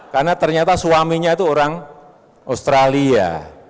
karena ternyata suaminya itu orang australia